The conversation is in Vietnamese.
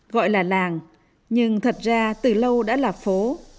gọi là làng nhưng thật ra từ lâu đã là phố